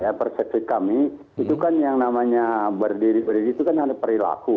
ya persepsi kami itu kan yang namanya berdiri berdiri itu kan ada perilaku